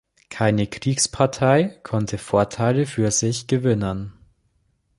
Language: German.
Keine Kriegspartei konnte Vorteile für sich gewinnen.